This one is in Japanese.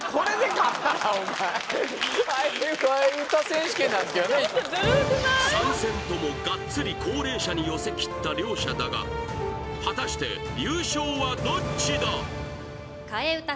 ３戦ともガッツリ高齢者に寄せきった両者だが果たして優勝はどっちだ替え歌